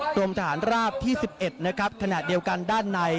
กรมทหารราบที่๑๑นะครับขณะเดียวกันด้านใน